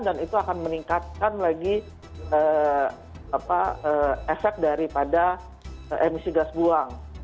dan itu akan meningkatkan lagi efek daripada emisi gas buang